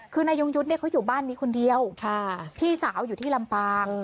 คือนายยงยุทธ์เขาอยู่บ้านนี้คนเดียวพี่สาวอยู่ที่ลำปาง